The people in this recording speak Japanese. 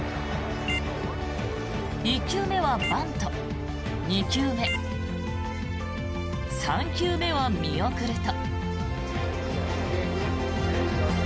１球目はバント２球目、３球目は見送ると。